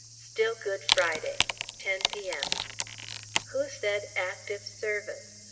Still Good Friday, 10 P.M. Who said Active Service?